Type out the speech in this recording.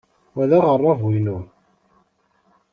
Wa d aɣerrabu-inu.